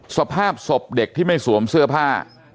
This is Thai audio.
สภาพศพเด็กที่ไม่สวมเสื้อผ้า